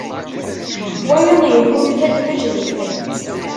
Wayeḍ yennulfa-d d ajdid.